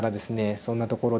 そんなところでですね